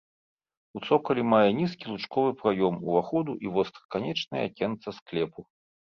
У цокалі мае нізкі лучковы праём уваходу і востраканечнае акенца склепу.